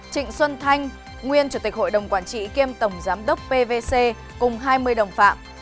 trịnh xuân thanh nguyên chủ tịch hội đồng quản trị kiêm tổng giám đốc pvc cùng hai mươi đồng phạm